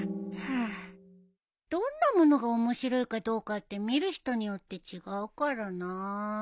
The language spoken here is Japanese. どんな物が面白いかどうかって見る人によって違うからなあ。